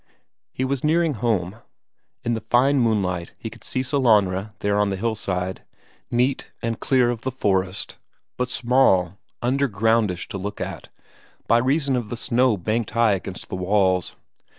He was nearing home; in the fine moonlight he could see Sellanraa there on the hillside, neat and clear of the forest, but small, undergroundish to look at, by reason of the snow banked high against the walls.